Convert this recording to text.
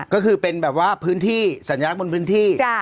ก็คือเป็นแบบว่าพื้นที่สัญลักษณ์บนพื้นที่